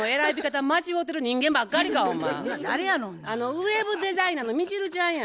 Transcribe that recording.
ウェブデザイナーのミチルちゃんや。